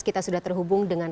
kita sudah terhubung dengan